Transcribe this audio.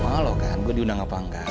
malu kan gue diundang apa enggak